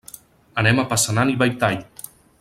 Anem a Passanant i Belltall.